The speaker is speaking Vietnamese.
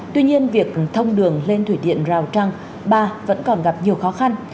tuy nhiên việc thông đường lên thủy điện rào trăng ba vẫn còn gặp nhiều khó khăn